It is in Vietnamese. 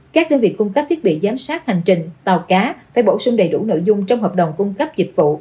các đơn vị cung cấp thiết bị giám sát hành trình tàu cá phải bổ sung đầy đủ nội dung trong hợp đồng cung cấp dịch vụ